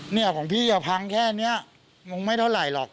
เนี่ยของพี่พังแค่นี้มึงไม่เท่าไหร่หรอก